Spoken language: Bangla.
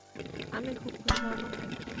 আমি খুব খুশি হব।